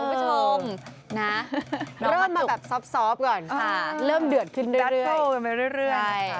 เริ่มมาแบบซอฟก่อนค่ะเริ่มเดือดขึ้นเรื่อย